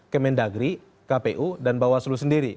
kemendagri kpu dan bawaslu sendiri